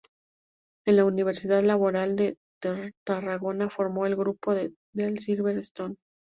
En la Universidad Laboral de Tarragona formó el grupo "The Silver Stones".